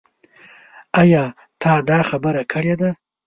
ايا تا دا خبره کړې ده ؟